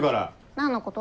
何のこと？